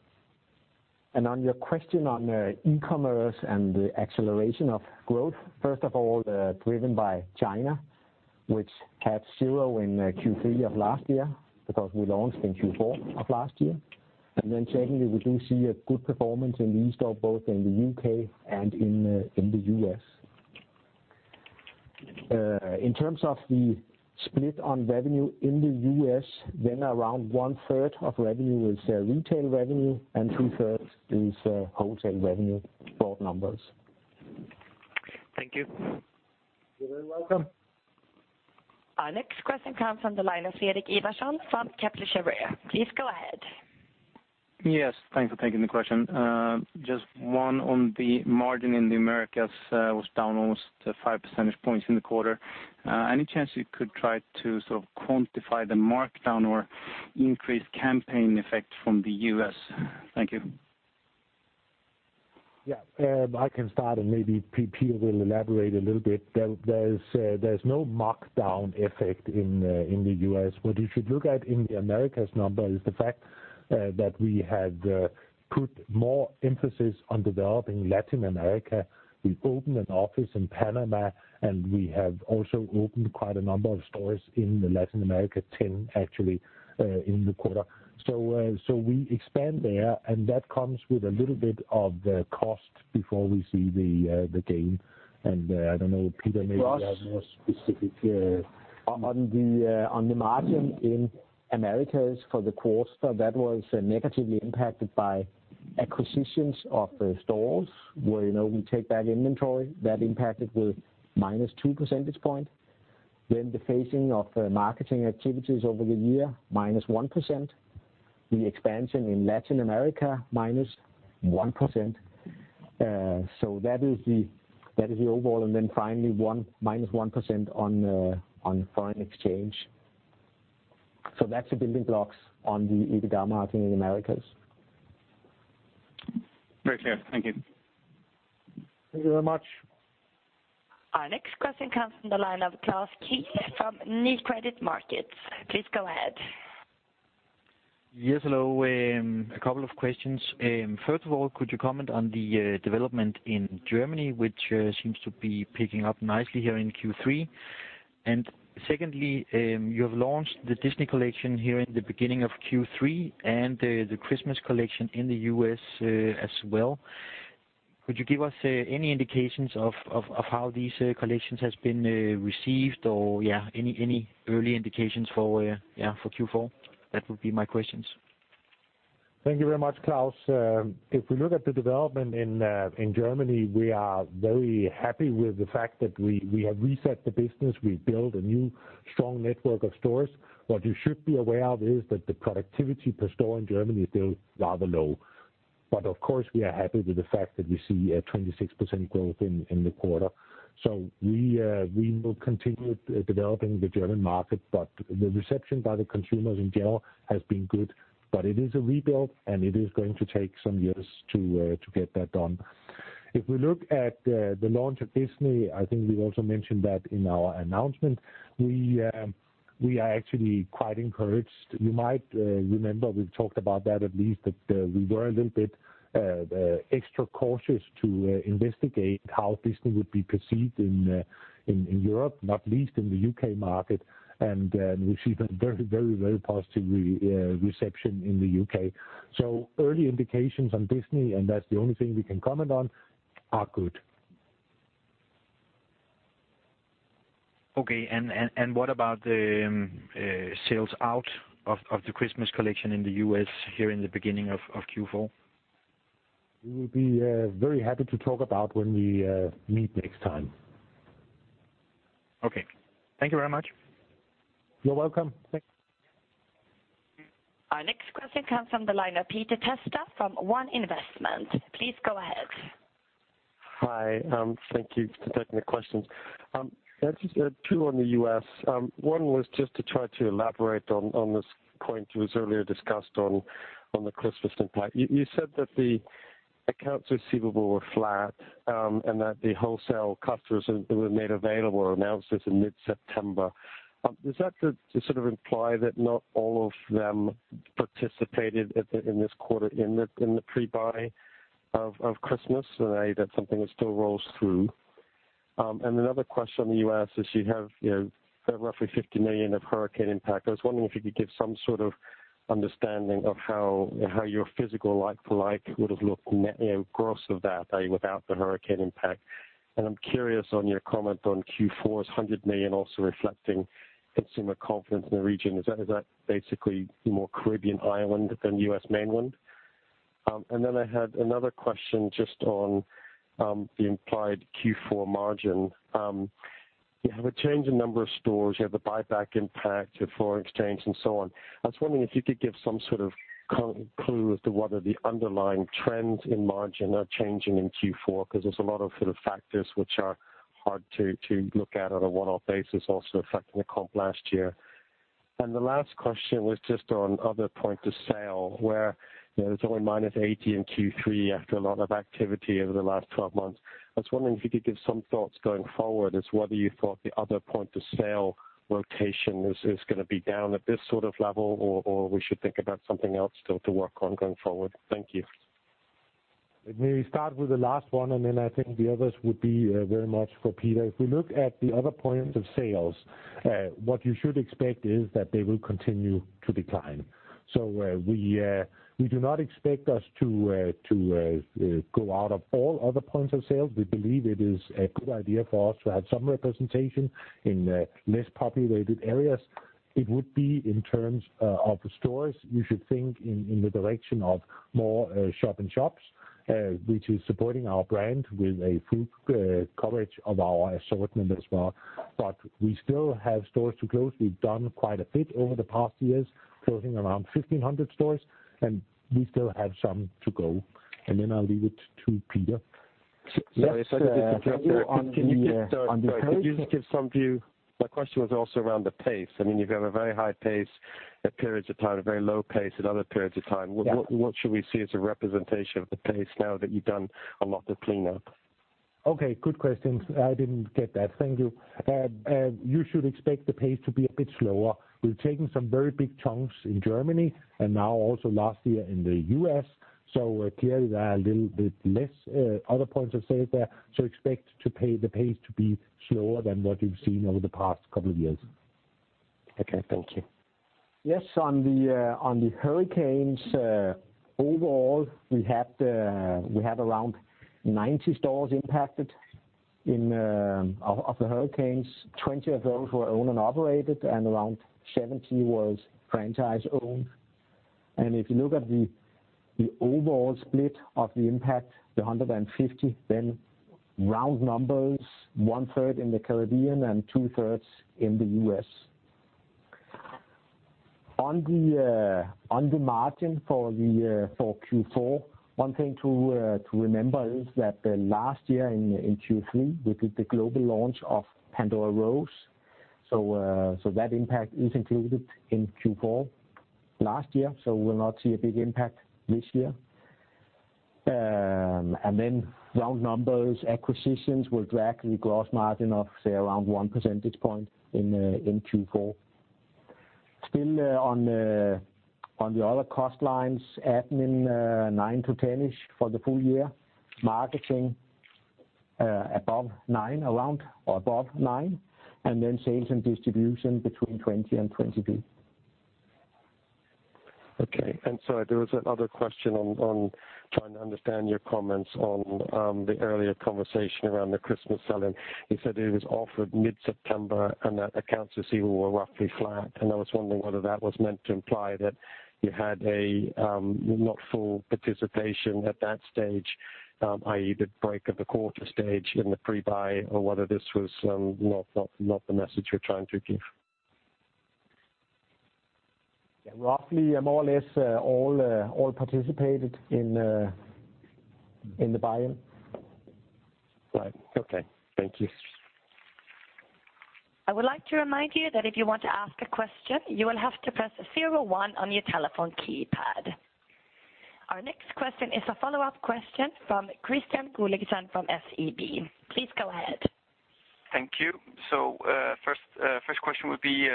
On your question on e-commerce and the acceleration of growth, first of all, driven by China, which had 0 in Q3 of last year, because we launched in Q4 of last year, and then secondly, we do see a good performance in e-store, both in the U.K. and in, in the U.S. In terms of the split on revenue in the U.S., then around 1/3 of revenue is retail revenue, and 2/3 is wholesale revenue, raw numbers. Thank you. You're very welcome. Our next question comes from the line of Fredrik Ivarsson from Kepler Cheuvreux. Please go ahead. Yes, thanks for taking the question. Just one on the margin in the Americas, was down almost five percentage points in the quarter. Any chance you could try to sort of quantify the markdown or increase campaign effect from the U.S.? Thank you. Yeah, I can start, and maybe PP will elaborate a little bit. There's no markdown effect in the US. What you should look at in the Americas number is the fact that we had put more emphasis on developing Latin America. We opened an office in Panama, and we have also opened quite a number of stores in Latin America, 10 actually, in the quarter. So, so we expand there, and that comes with a little bit of the cost before we see the gain, and I don't know, Peter, maybe you have more specific, On the margin in Americas for the quarter, that was negatively impacted by acquisitions of the stores, where, you know, we take back inventory. That impacted with minus 2 percentage points. Then the phasing of the marketing activities over the year, minus 1%. The expansion in Latin America, minus 1%. So that is the overall, and then finally, minus 1% on foreign exchange. So that's the building blocks on the EBITDA margin in Americas. Very clear. Thank you. Thank you very much. Our next question comes from the line of Klaus Kehl from Nykredit Markets. Please go ahead. Yes, hello. A couple of questions. First of all, could you comment on the development in Germany, which seems to be picking up nicely here in Q3? And secondly, you have launched the Disney Collection here in the beginning of Q3, and the Christmas Collection in the U.S., as well. Could you give us any indications of how these collections has been received or any early indications for Q4? That would be my questions. Thank you very much, Klaus. If we look at the development in Germany, we are very happy with the fact that we have reset the business. We've built a new, strong network of stores. What you should be aware of is that the productivity per store in Germany is still rather low. But, of course, we are happy with the fact that we see a 26% growth in the quarter. So we will continue developing the German market, but the reception by the consumers in general has been good, but it is a rebuild, and it is going to take some years to get that done. If we look at the launch of Disney, I think we also mentioned that in our announcement, we are actually quite encouraged. You might remember we've talked about that, at least, that we were a little bit extra cautious to investigate how Disney would be perceived in Europe, not least in the UK market, and we see a very, very, very positive reception in the UK. So early indications on Disney, and that's the only thing we can comment on, are good. Okay, and what about the sales out of the Christmas Collection in the U.S. here in the beginning of Q4? We will be very happy to talk about when we meet next time. Okay. Thank you very much. You're welcome. Thanks. Our next question comes from the line of Peter Testa from One Investments. Please go ahead. Hi, thank you for taking the questions. Just two on the US. One was just to try to elaborate on this point that was earlier discussed on the Christmas impact. You said that the accounts receivable were flat, and that the wholesale customers that were made available or announced this in mid-September. Does that just sort of imply that not all of them participated in this quarter in the pre-buy of Christmas, that's something that still rolls through? And another question on the US is you have, you know, roughly 50 million of hurricane impact. I was wondering if you could give some sort of understanding of how your physical like-for-like would have looked net, you know, gross of that, without the hurricane impact?... I'm curious on your comment on Q4's 100 million also reflecting consumer confidence in the region. Is that, is that basically more Caribbean islands than US mainland? And then I had another question just on the implied Q4 margin. You have a change in number of stores, you have the buyback impact, your foreign exchange, and so on. I was wondering if you could give some sort of clue as to what are the underlying trends in margin are changing in Q4, because there's a lot of sort of factors which are hard to, to look at on a one-off basis, also affecting the comp last year. And the last question was just on other points of sale, where, you know, it's only -80 in Q3 after a lot of activity over the last 12 months. I was wondering if you could give some thoughts going forward as to whether you thought the Other Points of Sale rotation is, is gonna be down at this sort of level, or, or we should think about something else still to work on going forward? Thank you. Let me start with the last one, and then I think the others would be very much for Peter. If we look at the other points of sale, what you should expect is that they will continue to decline. So, we do not expect us to go out of all other points of sale. We believe it is a good idea for us to have some representation in less populated areas. It would be in terms of stores, you should think in the direction of more shop-in-shops, which is supporting our brand with a full coverage of our assortment as well. But we still have stores to close. We've done quite a bit over the past years, closing around 1,500 stores, and we still have some to go, and then I'll leave it to Peter. So if I could just- On the hurricanes? Sorry, could you just give some view? My question was also around the pace. I mean, you've got a very high pace at periods of time, a very low pace at other periods of time. Yeah. What, what should we see as a representation of the pace now that you've done a lot of cleanup? Okay, good question. I didn't get that. Thank you. You should expect the pace to be a bit slower. We've taken some very big chunks in Germany and now also last year in the US, so clearly there are a little bit less Other Points of Sale there. So expect the pace to be slower than what you've seen over the past couple of years. Okay, thank you. Yes, on the hurricanes, overall, we had around 90 stores impacted in the hurricanes. 20 of those were owned and operated, and around 70 was franchise-owned. And if you look at the overall split of the impact, the 150, then round numbers, one third in the Caribbean and two thirds in the US. On the margin for the Q4, one thing to remember is that last year in Q3, we did the global launch of Pandora Rose. So, that impact is included in Q4 last year, so we'll not see a big impact this year. And then round numbers, acquisitions will drag the gross margin of, say, around 1 percentage point in Q4. Still, on the other cost lines, admin, 9-10-ish for the full year. Marketing, above 9, around or above 9, and then sales and distribution between 20 and 22. Okay. And sorry, there was another question on trying to understand your comments on the earlier conversation around the Christmas sell-in. You said it was offered mid-September, and that accounts receivable were roughly flat, and I was wondering whether that was meant to imply that you had a not full participation at that stage, i.e., the break of the quarter stage in the pre-buy, or whether this was not the message you're trying to give? Yeah, roughly, more or less, all participated in the buy-in. Right. Okay. Thank you. I would like to remind you that if you want to ask a question, you will have to press zero one on your telephone keypad. Our next question is a follow-up question from Kristian Godiksen from SEB. Please go ahead. Thank you. So, first, first question would be,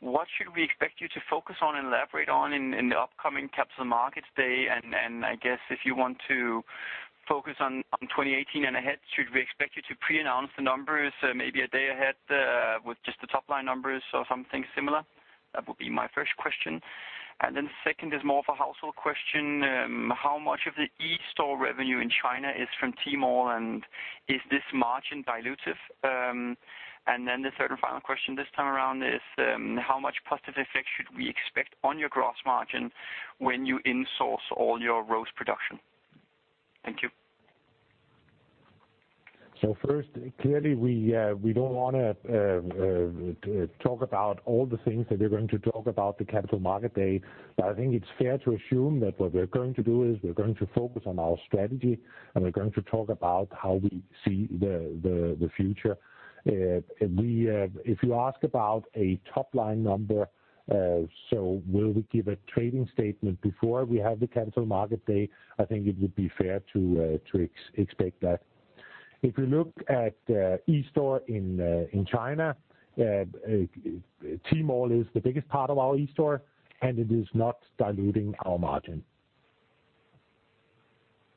what should we expect you to focus on and elaborate on in, in the upcoming Capital Markets Day? And, and I guess if you want to focus on, on 2018 and ahead, should we expect you to pre-announce the numbers maybe a day ahead, with just the top line numbers or something similar? That would be my first question. And then second is more of a household question. How much of the e-store revenue in China is from Tmall, and is this margin dilutive? And then the third and final question this time around is, how much positive effect should we expect on your gross margin when you insource all your rose production? Thank you. So first, clearly, we don't wanna talk about all the things that we're going to talk about the Capital Markets Day, but I think it's fair to assume that what we're going to do is we're going to focus on our strategy, and we're going to talk about how we see the future. If you ask about a top-line number, so will we give a trading statement before we have the Capital Markets Day? I think it would be fair to expect that. If you look at e-store in China, Tmall is the biggest part of our e-store, and it is not diluting our margin.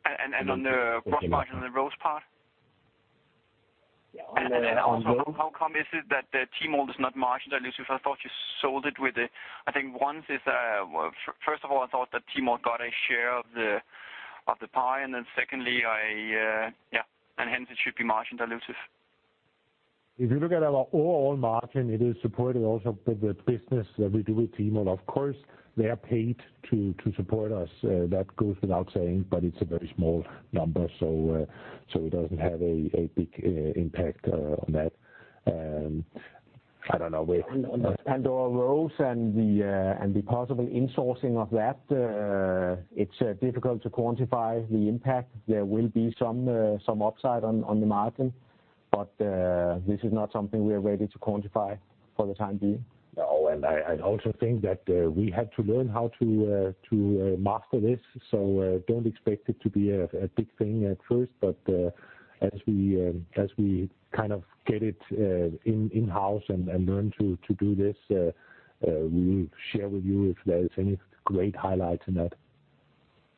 On the gross margin on the rose part? And then also, how come is it that the Tmall is not margin dilutive? I thought you sold it with it. I think once it's first of all, I thought that Tmall got a share of the pie, and then secondly, yeah, and hence it should be margin dilutive. If you look at our overall margin, it is supported also by the business that we do with Tmall. Of course, they are paid to support us, that goes without saying, but it's a very small number, so, so it doesn't have a big impact on that. I don't know where- Our rose and the possible insourcing of that, it's difficult to quantify the impact. There will be some upside on the margin, but this is not something we are ready to quantify for the time being. No, and I also think that we had to learn how to master this, so don't expect it to be a big thing at first. But as we kind of get it in-house and learn to do this, we will share with you if there is any great highlights in that.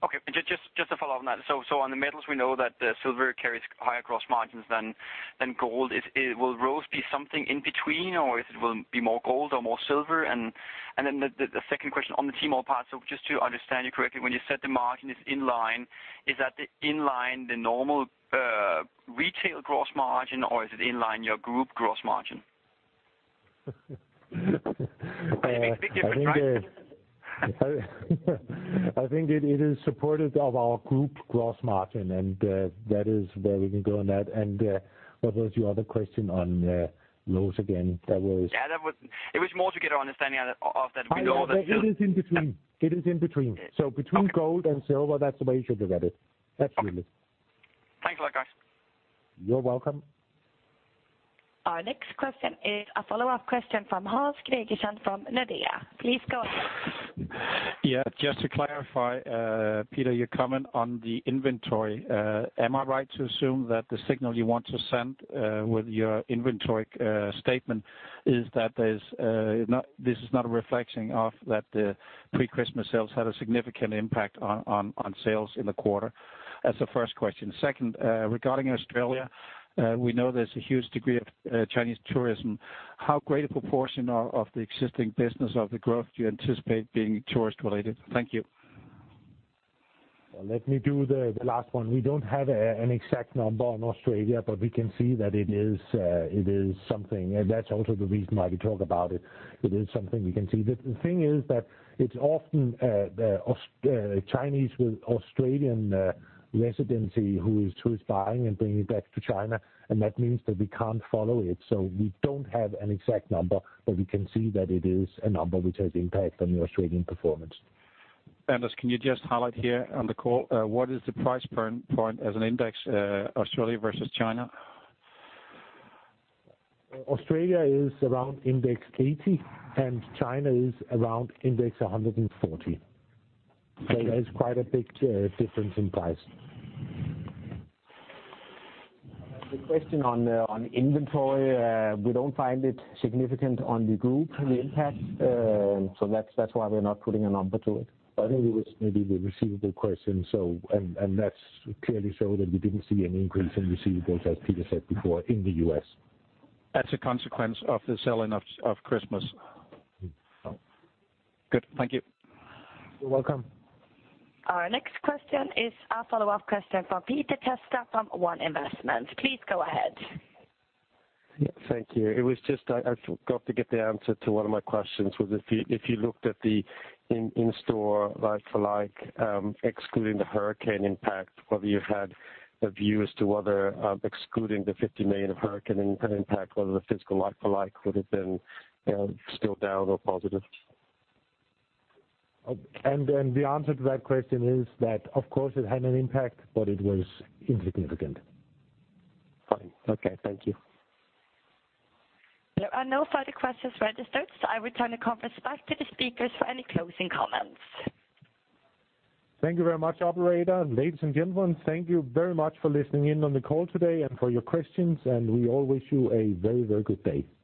Okay, but just, just a follow-up on that. So, so on the metals, we know that silver carries higher gross margins than gold. Is, will rose be something in between, or is it will be more gold or more silver? And, and then the, the second question on the Tmall part, so just to understand you correctly, when you said the margin is in line, is that the in line, the normal retail gross margin, or is it in line your group gross margin? It's a big difference, right? I think that it is supportive of our group gross margin, and that is where we can go on that. What was your other question on Rose again? That was- Yeah, that was... It was more to get an understanding of that, we know that- It is in between. It is in between. Okay. Between gold and silver, that's the way you should look at it. That's really it. Thanks a lot, guys. You're welcome. Our next question is a follow-up question from Hans Gregersen from Nordea. Please go ahead. Yeah, just to clarify, Peter, your comment on the inventory, am I right to assume that the signal you want to send with your inventory statement is that this is not a reflection of that the pre-Christmas sales had a significant impact on sales in the quarter? That's the first question. Second, regarding Australia, we know there's a huge degree of Chinese tourism. How great a proportion of the existing business of the growth do you anticipate being tourist-related? Thank you. Let me do the last one. We don't have an exact number on Australia, but we can see that it is, it is something, and that's also the reason why we talk about it. It is something we can see. The thing is that it's often the Aus- Chinese with Australian residency who is, who is buying and bringing it back to China, and that means that we can't follow it, so we don't have an exact number, but we can see that it is a number which has impact on the Australian performance. Anders, can you just highlight here on the call, what is the price per point as an index, Australia versus China? Australia is around index 80, and China is around index 140. So there is quite a big difference in price. The question on inventory, we don't find it significant on the group, the impact. So that's why we're not putting a number to it. I think it was maybe the receivable question, so... And that's clearly show that we didn't see any increase in receivables, as Peter said before, in the US. As a consequence of the selling of Christmas. Mm. Good. Thank you. You're welcome. Our next question is a follow-up question from Peter Testa from One Investments. Please go ahead. Thank you. It was just, I forgot to get the answer to one of my questions. Was if you looked at the in-store like for like, excluding the hurricane impact, whether you had a view as to whether, excluding the 50 million of hurricane impact, whether the physical like for like would have been still down or positive? The answer to that question is that of course it had an impact, but it was insignificant. Fine. Okay, thank you. There are no further questions registered, so I return the conference back to the speakers for any closing comments. Thank you very much, operator. Ladies and gentlemen, thank you very much for listening in on the call today and for your questions, and we all wish you a very, very good day. Thank you.